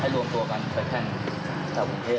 ให้รวมตัวกันไปแท่งแถววงเทศ